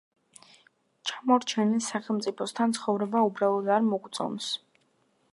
ჩამორჩენილ სახელმწიფოსთან ცხოვრება უბრალოდ არ მოგვწონს.